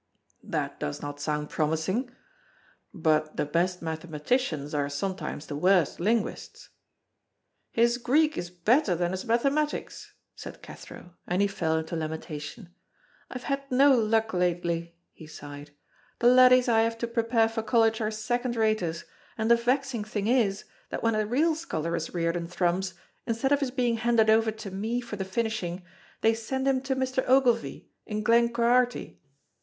"That does not sound promising. But the best mathematicians are sometimes the worst linguists." "His Greek is better than his mathematics," said Cathro, and he fell into lamentation. "I have had no luck lately," he sighed. "The laddies I have to prepare for college are second raters, and the vexing thing is, that when a real scholar is reared in Thrums, instead of his being handed over to me for the finishing, they send him to Mr. Ogilvy in Glenquharity.